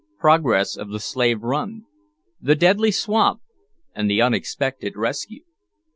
PROGRESS OF THE SLAVE RUN THE DEADLY SWAMP, AND THE UNEXPECTED RESCUE.